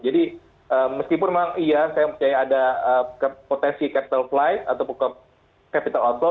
jadi meskipun memang iya saya percaya ada potensi capital outflow